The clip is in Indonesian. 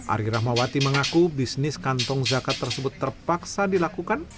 ari rahmawati mengaku bisnis kantong zakat tersebut terpaksa dilakukan